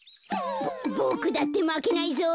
ボクだってまけないゾ。